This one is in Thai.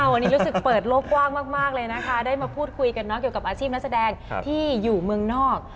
วันนี้รู้สึกเปิดโลกกว้างมากเลยนะคะได้มาพูดคุยกันเนาะเกี่ยวกับอาชีพนักแสดงที่อยู่เมืองนอก